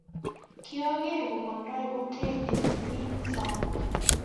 kiageer kumongtoi hotelii sang